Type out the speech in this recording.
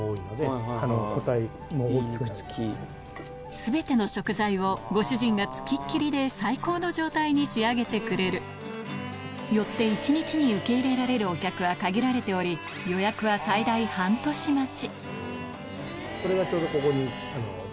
全ての食材をご主人が付きっきりで最高の状態に仕上げてくれるよって１日に受け入れられるお客は限られておりこれがちょうどここに。